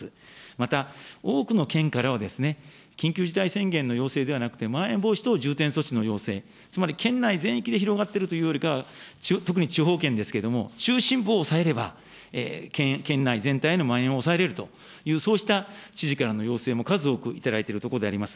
また、多くの県からは、緊急事態宣言の要請ではなくて、まん延防止等重点措置の要請、つまり、県内全域で広がっているというよりかは、特に地方県ですけれども、中心部を抑えれば県内全体へのまん延を抑えれると、そうした知事からの要請も数多く頂いているところであります。